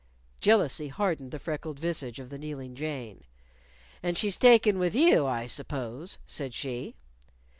Jealousy hardened the freckled visage of the kneeling Jane. "And she's taken with you, I suppose," said she.